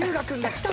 きた！